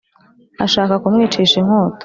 ashaka kumwicisha inkota